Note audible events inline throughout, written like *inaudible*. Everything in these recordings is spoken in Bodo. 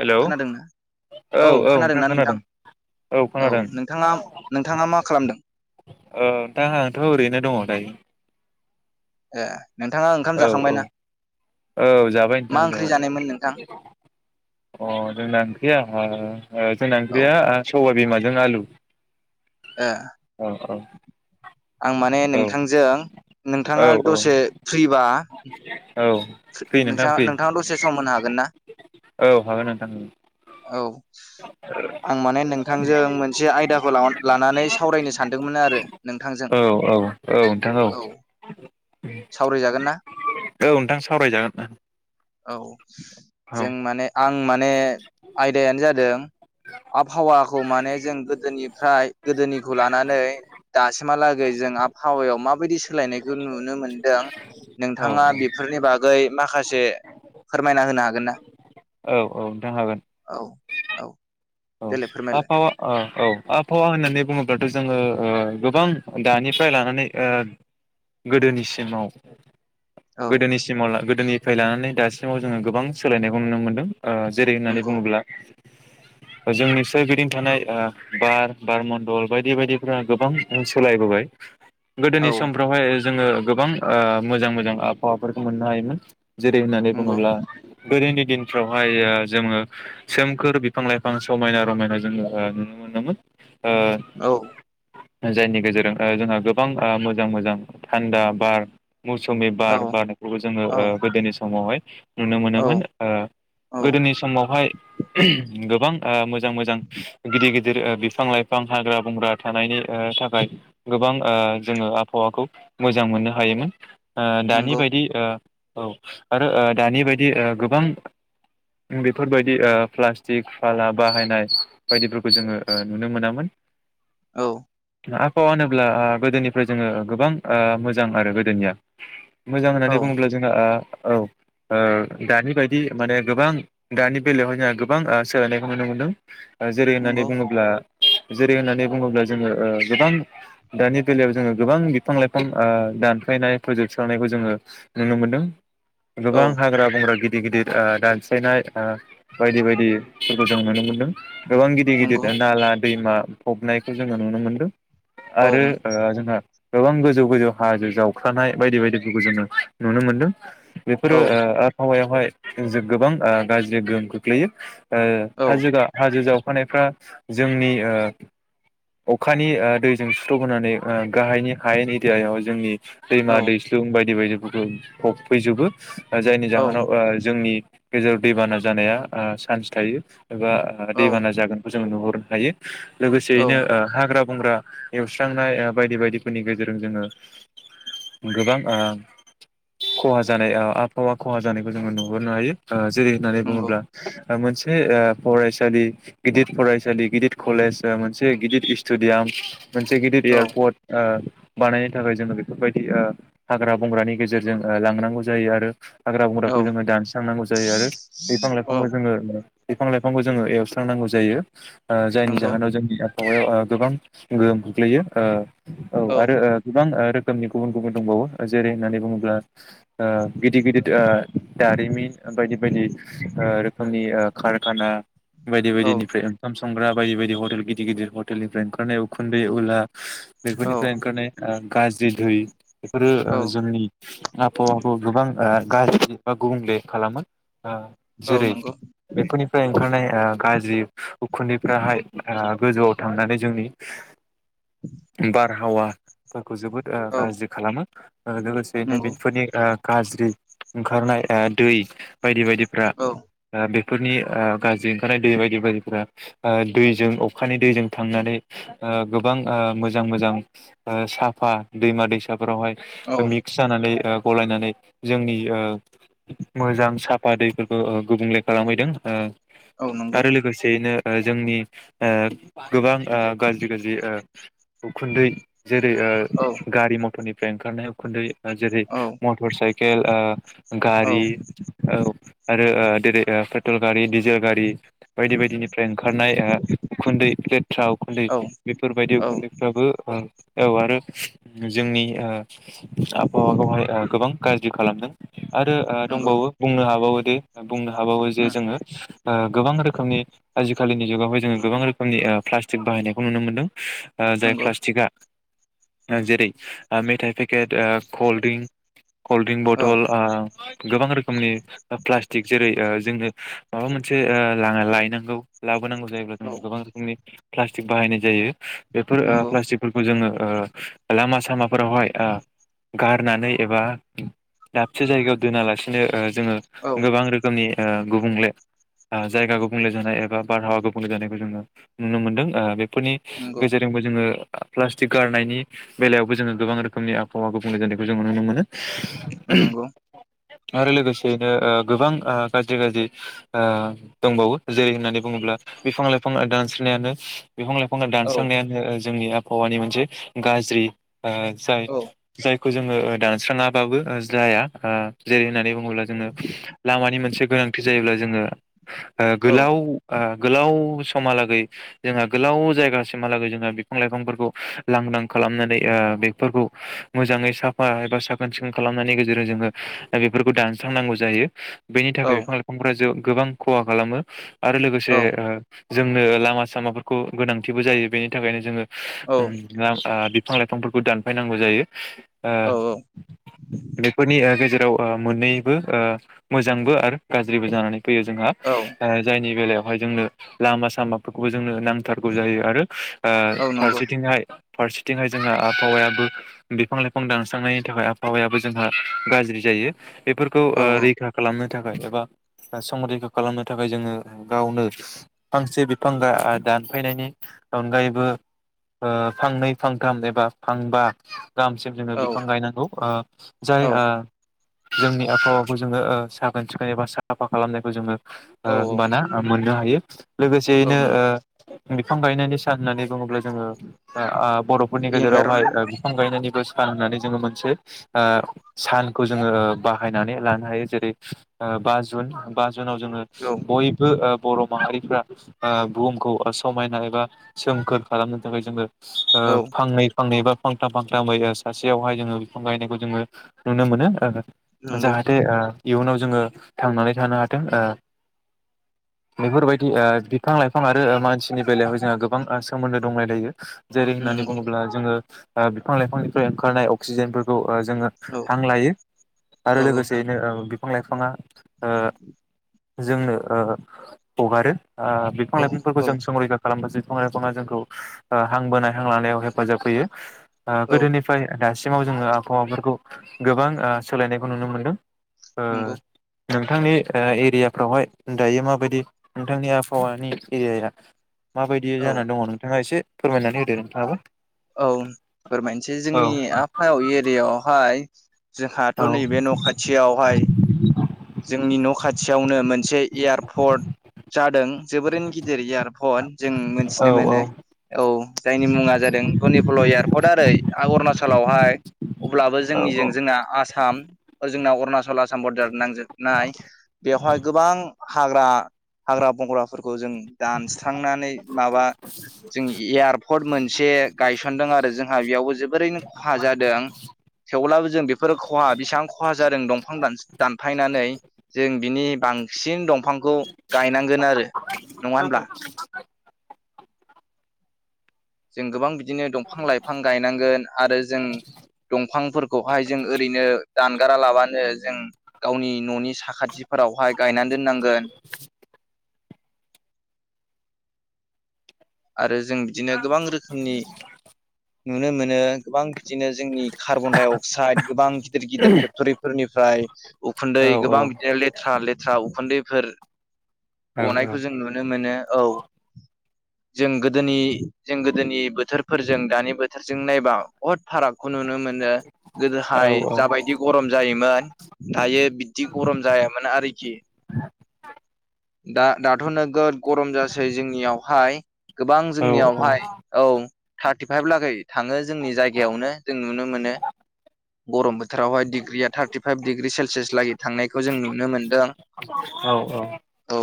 हेलौ खोनादोंना औ औ नोंथां खोनादों औ खोनादों नोंथाङा नोंथाङा मा खालामदों ओ नोंथां आंथ ओरैनो दङ दायो ए नोंथाङा ओंखाम औ औ जाखांबायना औ जाबाय मा नोंथां ओंख्रि जानायमोन नोंथां जबाय अ जोंना ओंख्रिया ओ ओ जोंना औ ओंख्रिया सबाय बिमाजों जों आलु ए औ औ आं माने औ नोंथांजों औ नोंथाङा औ दसे फ्रिबा औ फ्रि नोंथां फ्रि नोंसा-नोंथाङा दसे सम होनो हागोन ना औ हागोन नोंथां औ आं माने नोंथांजों मोनसे आयदाखौ ला-लानानै सावरायनो सानदोंमोन आरो नोंथांजों औ औ नोंथां औ सावरायजागोन ना औ नोंथां सावरायजागोन औ जों माने आं माने आयदायानो जादों आबहावाखौ माने जों गोदोनिफ्राय गोदोनिखौ लानानै दासिमहालागै जों आबहावायाव माबायदि सोलायनायखौ नुनो मोनदों औ नोंथाङा बेफोरनि बागै माखा खासे फोरमायना होनो हागोन ना औ औ नोंथां हागोन औ औ औ देलाय फोरमायलाय आबहावा ओ औ आबहावा होननानै बुङोब्लाथ जोङो ओ गोबां दानिफ्राय लानानै गोदोनिसिमाव औ गोदोनिसिमाव ला गो दोनिफ्राय लानानै दासिमाव ओ जेरै होननानै नंगौ बुङोब्ला जोंनि सोरगिदिं थानाय ओ बार बारमण्डल बायदि बायदिफोरा गोबां सोलायबोबाय। गोदोनि औ समफ्रावहाय जोङो गोबां ओ मोजां मोजां आबहावाफोरखौ मोननो हायोमोन। जेरै होननानै नंगौ बुङोब्ला गोदोनि दिनफ्रावहाय ओ जोङो सोमखोर बिफां लाइ फां समायना रमायना जोङो ओ नुनो मोनोमोन। ओ औ। जायनि गेजेरजों ओ जोंहा गोबां मोजां मोजां थान्दा बार मौसुमि बार औ बारनायखौबो जोङो ओ औ गोदोनि समावहाय नुनो औ मोनोमोन ओ औ गोदोनि समावहाय गोबां ओ मोजां मोजां गिदिर गिदिर ओ बिफां लाइफां हाग्रा बंग्रा थानायनि ओ थाखाय गोबां ओ जोङो आबहावाखौ मोजां मोननो हायोमोन। ओ दानि नंगौ बायदि ओ औ आरो दानि बायदि ओ गोबां बेफोरबायदि ओ प्लास्टिक फाला बाहायनाय बायदिफोरखौ जोङो ओ नुनो मोनामोन। औ। आबहावा होनोब्ला ओ गोदोनिफ्राय जोङो गोबां ओ मोजां आरो गोदोनिया। मोजां औ होननानै बुङोब्ला जोंहा ओ औ ओ दानि बायदि माने गोबां दानि बेलायावहाय जोंहा गोबां ओ सोलायनायखौ नुनो मोनदों। जेरै होननानै नंगौ बुङोब्ला जेरै होननानै बुङोब्ला जोङो ओ गोबां दानि बेलायाव जोङो गोबां बिफां लाइफां ओ दानफायनाय प्रजेक थिखांनायखौ जोङो नुनो मोनदो। औ गोबां हाग्रा बंग्रा गि दिर गिदिर ओ दानस्लायनाय ओ बायदि बायदि फोर जों नुनो मोन्दों। गोबां गिदिर नंगौ गिदिर नाला, दैमा, फबनायखौ जोङो नुनो मोनदों औ आरो ओ जोंहा गोबां गोजौ-गोजौ हाजो जावखानाय बायदि-बायदिफोरखौ जोङो नुनो मोन्दों। बेफोरो औ ओ आबहावायाव हाय जों गोबां गाज्रि गोहोम खोख्लैयो। ओ औ हाजो गा हाजो जाव खानायफ्रा जोंनि ओ अखानि ओ दैजों सुस्रबोनानै ओ गाहायनि हायेन एरियायाव जोंनि दैमा औ दैस्लुं बायदि बायदि फोरखौ फबफैजोबो। जायनि औ जाहोनाव ओ जोंनि गेजेराव दैबाना जानाया चान्स थायो। एबा औ दैबाना जागोनखौ जों नुहुरनो हायो। औ लोगोसेयैनो हाग्रा बंग्रा एवस्रांनाय बायदि बायदिफोरनि गेजेरजों जोङो गोबां ओ खहा जानाय आबहावा खहा जानायखौ जोङो नुहुरनो हायो ओ जेरै होननानै नंगौ बुङोब्ला मोनसे ओ फरायसालि गिदिर फरायसालि गिदिर कलेज मोनसे गिदिर स्टेडियाम मोनसे गिदिर औ एयारपर्ट ओ बानायनो थाखाय जोङो बेफोरबायदि ओ हाग्रा बंग्रानि गेजेरजों ओ लांनांगौ जायो आरो हाग्रा बंग्राखौ औ जोङो दानस्रांनांगौ जायो आरो बिफां औ लाइफांखौ जोङो बिफां लाइफांखौ जोङो एवस्रांनांगौ जायो। ओ जायनि नंगौ जाहोनाव जोंनि मायाव ओ गोबां गोहोम खग्लैयो ओ औ आरो गोबां ओ रो रोखोमनि गुबुन गुबुन दंबावो जेरै होननानै बुङोब्ला ओ गिदिर गिदिर ओ दारिमिन बायदि बायदि ओ रोख खोमनि कारखाना बायदि औ बायदिनिफ्राय ओंखाम संग्रा बायदि बायदि हटेल गिदिर गिदिर हटेलनिफ्राय ओंखारनाय उखुन्दै उला औ बेफोरनिफ्राय ओंखारनाय ओ गाज्रि दै बेफोरो ओ औ जोंनि आबहावाखौ गोबां ओ गाज्रि बा गुबुंले खालामो ओ औ जेरै नंगौ बेफोरनिफ्राय ओ ओंखारनाय गाज्रि उखुन्दैफ्राहाय ओ गोजौआव थांनानै जोंनि बारहावा खौ जोबोद औ गाज्रि खालामो ओ लोगोसेहैनो नंगौ बेफोरनि ओ गाज्रि ओंखारनाय ओ दै बायदि बायदिफ्रा औ ओ बे फोरनि ओ गाज्रि ओंखारनाय दै बायदि बायदिफोरा ओ दैजों अखानि दैजों। थांनानै ओ गोबां ओ मोजां मोजां ओ साफा दैमा दैसाफोरावहाय औ मिक्स जानानै ओ गलायनानै जोंनि ओ मोजां साफा दैफोरखौ गुबुंले खालामहैदों औ ओ नंगौ आरो लोगोसेयैनो। ओ जोंनि ओ गोबां ओ गाज्रि गाज्रि ओ उखुन्दै जेरै औ ओ गारि मथरनि फ्राय ओंखारनाय उखुन्दै जेरै औ मटर साइ खेल आ औ गारि औ। आरो ओ देरै ओ पेट्रल गारि डिजेल गारि। बायदि बायदिनिफ्राय ओंखारनाय ओ उखुन्दै। *unintelligible* उखुन्दै औ बेफोरबायदि औ उखुन्दैफ्राबो। औ आरो जोंनि ओ आबहावाखौहाय ओ गोबां गाज्रि खालामदों। आरो ओ नंगौ दंबावो बुंनो हाबावो *unintelligible* बुंनो हाबावो जे उम जोङो। ओ गोबां रोखोमनि आजिखालिनि जुगावहाय जोङो गोबां रो *unintelligible* प्लास्टिक बाहायनायखौ नुनो मोनदों। ओ जाय नंगौ प्लास्टिकआ। जेरै ओ मेथाइ पेकेट ओ कल्ड ड्रिंक। कलड्रिंक औ बथल ओ गोबां रो खोमनि प्लासटिक जेरै ओ जोंनो माबा मोनसे ओ लायनांगौ लाबोनांगौ। औ *unintelligible* प्लासतिक बाहायनाय जायो। बेफोर ओ नंगौ प्लास्टिकफोरखौ जोङो। ओ लामा सामाफोरावहाय ओ गारनानै एबा दाबसे जायगायाव दोनालासिनो। ओ जोङो औ गोबां रोखोमनि। ओ गुबुंले ओ जायगा गुबुंले जानाय एबा बारहावा गुबुंले जानायखौ जोङो। नुनो मोनदों ओ बे फोरनि नंगौ गेजेरजोंबो जोङो प्लास्टिक गारनायनि बेलायावबो जोङो गोबां रोखोमनि आबहावा गुबुंल जानायखौ जोंङो नुनो मोनो। *unintelligible* नंगौ। आरो लोगोसेयैनो ओ गोबां ओ गाज्रि गाज्रि ओ दंबावो जेरै होननानै बुङोब्ला बिफां-लाइफां दानस्रां नायानो बिफां-लाइफां औ दानस्रांनायानो जोंनि आबहावानि मोनसे गाज्रि ओ जाय औ जाय खौ जोङो दानस्राङाबाबो ओ जाया आ जेरै होननानै बुङोब्ला जोङो लामानि मोनसे गोनांथि जायोब्ला जोङो ओ औ गोलाव आ गोलाव समहालागै जोंहा गोलाव जायगासिमहालागै जोहा बिफां लाइफांफोरखौ लांदां खालामनानै ओ बेफोरखौ मोजाङै साफा एबा साखोन सिखोन खालामनायनि गेजेरजों जोङो बेफोरखौ दानस्रांनांगौ जायो। बेनि औ थाखाय बिफां लाइफांफोरा जो गोबां खहा खालामो। आरो लोगोसे औ ओ जोंनो लामा सामाफोरखौ गोनांथिबो जायो बेनि थाखायनो जोङो *unintelligible* बिफां लाइफांफोरखौ दानफायनांगौ जायो। ओ औ बेफोरनि ओ गेजेर औ ओ मोननैबो ओ मोजांबो आरो गाज्रिबो जानानै फैयो जोंहा औ ओ जायनि बेलायाव थाखाय जोंनो लामा सामा जोंनो नांथारगौ जायो आरो आ औ नंगौ फारसेथिंहाय फारसे दिनै जोंहा आबहावायाबो बिफां-लाइफां दानस्रांनायनि थाखाय आबहावायाबो जोंहा गाज्रि जायो। बेफोरखौ औ ओ औ रैखा खालामनो थाखाय एबा संरैखा खालामनो थाखाय जोङो ओ गावनो फांसे बि फां आ दानफैनायनि अनगायैबो ओ फांनै फांथाम एबा फांबा गाहामसिम जोङो औ बिफां गायनांगौ ओ जाय औ ओ जोंनि आबहावाखौ जोङो साखोन सिखोन एबा साफा खालामनायखौ जोङो ओ औ औ मोना ओ मोननो हायो लोगो औ सेनो नंगौ ओ बिफां गायनायनि सान होननानै बुङोब्ला जोङो *unintelligible* बर'फोरनि गेजेरावहाय इनभाइरनमेन्ट ओ बिफां गायनायनि बो सान होननानै जों मोनसे ओ सानखौ लानो हायो जेरै बा जुन बा जुन जोंनाव जोङो औ बयबो ओ बर' माहारिफ्रा ओ बुहुमखौ समायना एबा सोमखोर खालामनो थाखाय जोङो ओ औ फांनै फांनै बा फांथाम फांथाम सासेयावहाय जोङो बिफां गायनायखौ जोङो नुनो मोनो। नंगौ जाहाथे आ इयुनाव जोङो थांनानै थानो हाथों ओ बेफोरबायदि बिफां लाइफां आरो ओ मानसिनि बेलायावाय जोंहा गोबां सोमोन्दो दंलायलायो जेरै होननानै नंगौ बुङोब्ला जोङो ओ बिफां लाइफांनिफ्राय ओंखारनाय अक्सिजेनफोरखौ जोङो औ हां लायो आरो औ लोगोसेयैनो दंफां लाइफां आ *inaudible* जोंनो ओ हगारो ओ बिफां औ लाइफांफोरखौ जों औ संरैखा खालामनो जा खना खना जोंखौ हां बोनाय हां लानायाव हेफाजाब होयो औ गोदोनिफ्राय दासि सिङाव जोङो आबहावाफोरखौ गोबां सोलायनायखौ नुनो मोनदों। ओ नंगौ नोंथांनि ओ एरियाफ्रावहाय दायो माबायदि नोंथांनि आं फयानि एआइया माबायदि औ जानानै दङ नोंथाङा एसे फोरमायनानै होदो नोंथाङाबो औ फोरमायनोसै औ जोंनि आफायाव एरियावहाय जोंहाथ' औ नैबे न' खाथियावहाय जोंनि न' खाथियावनो मोनसे एयारपर्ट जादों जोबोरैनो गिदिर इयारफथ जों औ मोनथिनो मोनो औ जायनि मुङा जादों धनिपल' एयारपर्ट आरो आं अरुणाचलावहाय अब्लाबो औ जोंनिजों जोंना आसाम जोंना अरुणचल आसाम बरदार नांजाब नाय बेवहाय गोबां हाग्रा हाग्रा बंग्राफोरखौ जों दानस थांनानै माबा जों एयार कट मोनसे गायसनदों आरो जोंहा बेयावबो जोबोरैनो खहा जादों थेवब्लाबो जों बेफोर खहा बेसेबां खहा जादों दंफां दानफायनाय नानै जों बिनि बांसिन दंफांखौ गायनांगोन आरो। नङा होनब्ला *unintelligible* जों गोबां बिदि बिदिनो दंफां लाइफां गायनांगोन आरो जों दंफांफोरखौहाय जों ओरैनो दानगारा लाबानो जों गावनि न'नि साखाथिफोरावहाय गायनानै दोननांगोन आरो जों बिदिनो गोबां रोखोमनि नुनो मोनो गोबां बिदिनो जोंनि कार्बन डाइ अक्साइद गोबां गिदिर गिदिर फेक्ट'रिफोरनिफ्राय उखुन्दै औ गोबां बिदिनो लेथ्रा लेथ्रा उखुन्दै फोर औ औ गनायखौ जों नुनो मोनो औ। जों गोदोनि जों गोदोनि बोथोर फोरजों दानि बोथोरजों नायबा बहद फारागखौ नुनो मोनो औ गोदोहाय जाबायदि गरम जायोमोन दायो बिदि गरम जायामोन आरोखि दा दाथ' नोगोद गरम जासै जोंनियावहाय गोबां जोंनियावहाय औ। थार्टि फाइभ लागै थाङो जोंनि जायगायावनो जों नुनो मोनो। गरम बो फोथारावहाय डिग्रिया थार्टिफाइभ डिग्रि सेलसियास लागि थांनायखौ जों नुनो मोनदों औ।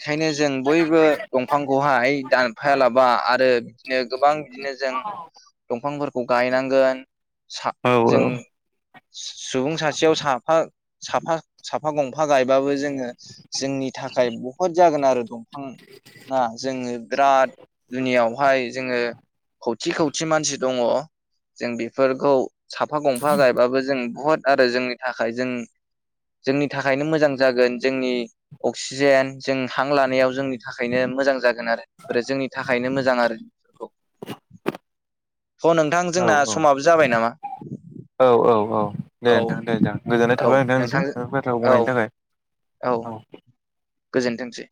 ओंखायनो जों बयबो दंफांखौहाय दानफायालाबा आरो बिदिनो गोबां बिदिनो जों दंफांफोरखौ गायनांगोन जों सुबुं सासेयाव साफा साफा साफा गंफा दंफां गायबाबो जोङो जोंनि थाखाय बहुद जागोन आरो दंफां ना जोङो *unintelligible* जोंनियावहाय जोङो खौथि खौथि मानसि दङ जों बेफोरखौ साफा गंफा गायबाबो जों बहुत आरो जोंनि थाखाय जों जोंनि थाखायनो मोजां जागोन जोंनि अक्सिजेन जों हां लानायाव जोंनि थाखायनो मोजां जागोन आरो बे जोंनि थाखायनो मोजां आरो बेफोरखौ अ नोंथां जोंना समाबो जाबाय नामा? औ औ दे औ नोंथां दे जागोन गोजोननाय औ थाबाय नोंथां नोंथांनिसिम *unintelligible* बाथ्राखौ औ बुंनायनि थाखाय। औ गोजोनथोंसै